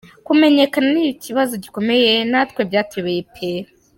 Kumenyekana ni ikibazo gikomeye natwe byatuyobeye pe.